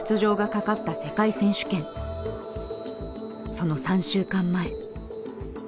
その３週間前。